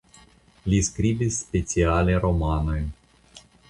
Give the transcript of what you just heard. Li skribis speciale romanojn.